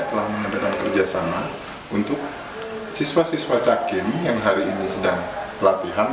telah mengadakan kerjasama untuk siswa siswa cakin yang hari ini sedang pelatihan